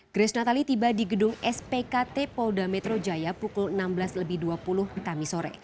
grace natali tiba di gedung spkt polda metro jaya pukul enam belas lebih dua puluh kami sore